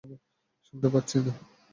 শুনতে পাচ্ছি না!